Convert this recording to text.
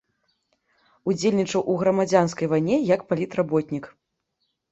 Удзельнічаў у грамадзянскай вайне як палітработнік.